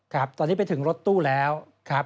ครับตอนนี้ไปถึงรถตู้แล้วครับ